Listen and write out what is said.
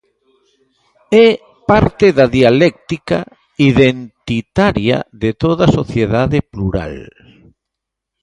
É parte da dialéctica identitaria de toda sociedade plural.